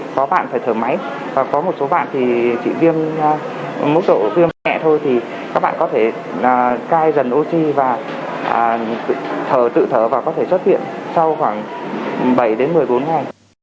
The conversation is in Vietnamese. có bạn phải thở máy và có một số bạn thì chỉ viêm mức độ viêm mẹ thôi thì các bạn có thể cai dần oxy và thở tự thở và có thể xuất viện sau khoảng bảy đến một mươi bốn ngày